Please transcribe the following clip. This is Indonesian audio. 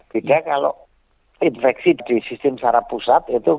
beda kalau infeksi di sistem secara pusat